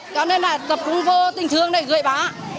cho nên là tập trung vô tình thương này gửi bà